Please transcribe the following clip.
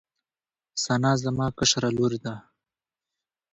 ثنا زما کشره لور ده